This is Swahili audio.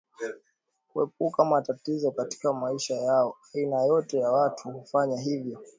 kuepuka matatizo katika maisha yao Aina yote ya watu hufanya hivyo